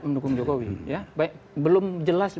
mendukung jokowi belum jelas